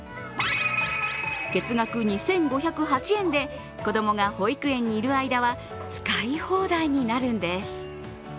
月額２５０８円で子供が保育園にいる間は使い放題になるんです。